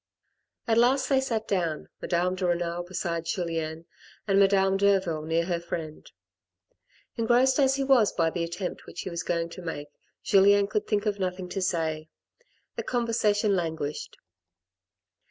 At last they sat down, Madame de Renal beside Julien, and Madame Derville near her friend. Engrossed as he was by AN EVENING IN THE COUNTRY 55 the attempt which he was going to make, Julien could think of nothing to say. The conversation languished.